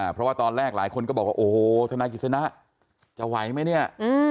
เพราะว่าตอนแรกหลายคนก็บอกว่าโอ้โหธนายกิจสนะจะไหวไหมเนี่ย